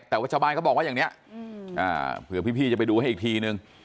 แต่วัชบายก็บอกว่าอย่างเนี้ยเผื่อพี่จะไปดูให้อีกทีนึง